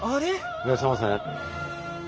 いらっしゃいませ。